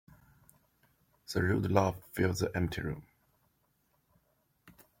The rude laugh filled the empty room.